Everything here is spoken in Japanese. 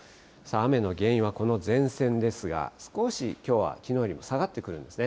雨の原因はこの前線ですが、少しきょうはきのうよりも下がってくるんですね。